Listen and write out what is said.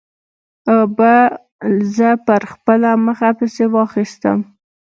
اوبو زه پر خپله مخه پسې واخیستم.